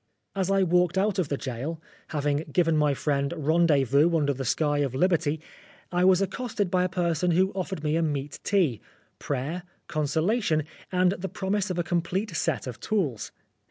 As I walked out of the gaol,* having given my friend rendezvous under the sky of Liberty, I was accosted by a person who offered me a meat tea, prayer, consol ation, and the promise of a complete set of tools.